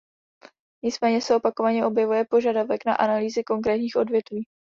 Nicméně se opakovaně objevuje požadavek na analýzy konkrétních odvětví.